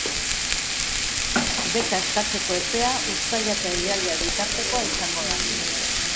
Beka eskatzeko epea uztaila eta iraila bitartekoa izango da.